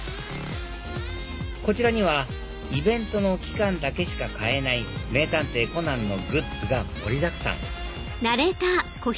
こちらにはイベントの期間だけしか買えない『名探偵コナン』のグッズが盛りだくさん